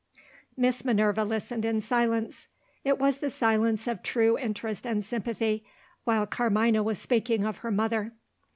Miss Minerva listened in silence. It was the silence of true interest and sympathy, while Carmina was speaking of her mother.